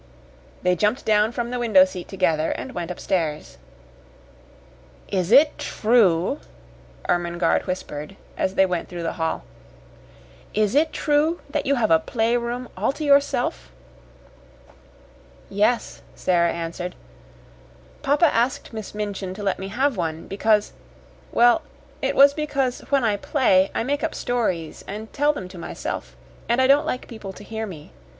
They jumped down from the window seat together, and went upstairs. "Is it true," Ermengarde whispered, as they went through the hall "is it true that you have a playroom all to yourself?" "Yes," Sara answered. "Papa asked Miss Minchin to let me have one, because well, it was because when I play I make up stories and tell them to myself, and I don't like people to hear me.